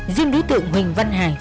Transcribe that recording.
diêm đối tượng huỳnh văn hải